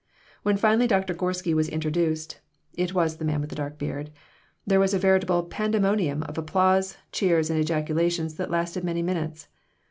When finally Doctor Gorsky was introduced (it was the man with the dark beard) there was a veritable pandemonium of applause, cheers, and ejaculations that lasted many minutes.